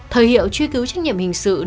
thời hiệu truy cứu trách nhiệm hình sự